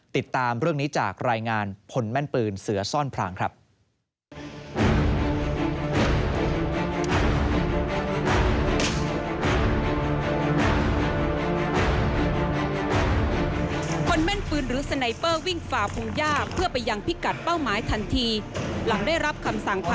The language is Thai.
ติดตามเรื่องนี้จากรายงานผลแม่นปืนเสือซ่อนพรางครับ